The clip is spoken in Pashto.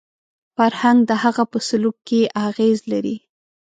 فرهنګ د هغه په سلوک کې اغېز لري